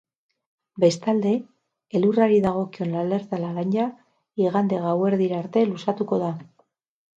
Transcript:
Bestalde, elurrari dagokion alerta laranja igande gauerdira arte luzatuko da.